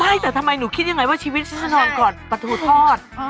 ใช่แต่ทำไมหนูคิดยังไงว่าชีวิตฉันจะนอนกอดปลาทูทอด